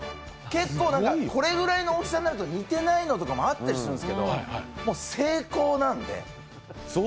結構これぐらいの大きさになると似てないのとかもあったりするんですけどもう精巧なので。